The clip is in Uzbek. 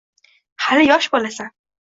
Hali yosh bolasan.